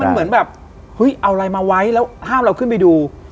เหมือนเอาอะไรมาไว้ห้ามเราขึ้นไปดู